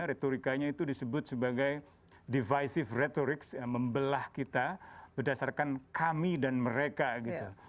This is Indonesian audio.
retorikanya itu disebut sebagai divisive rhetoric membelah kita berdasarkan kami dan mereka gitu